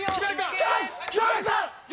チャンス！